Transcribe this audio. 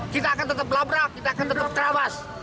kita akan tetap labrak kita akan tetap terawas